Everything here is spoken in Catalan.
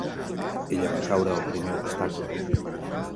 Ella va caure al primer obstacle.